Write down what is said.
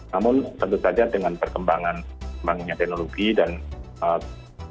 namun tentu saja dengan perkembangan teknologi dan masyarakat juga semakin bisa berpengaruh